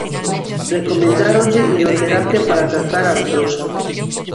Recomendáronlle hidroterapia para tratar a artrose.